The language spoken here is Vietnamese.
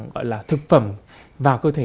gọi là thực phẩm vào cơ thể